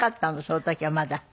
その時はまだ。